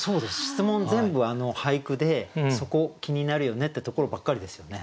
質問全部俳句でそこ気になるよねってところばっかりですよね。